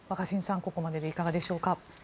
ここまででいかがでしょうか。